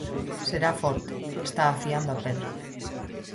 Será forte, está afiando a pedra.